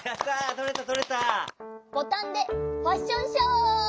ボタンでファッションショー！